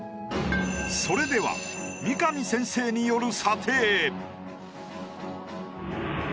それでは三上先生による。